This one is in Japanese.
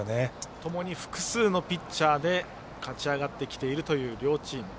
ともに複数のピッチャーで勝ち上がってきているという両チーム。